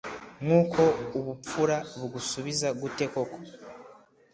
Nkuko ubupfura bugusubiza gute koko